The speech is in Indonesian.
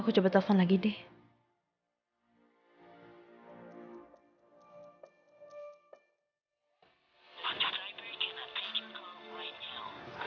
kita harus fokus pada itu aja din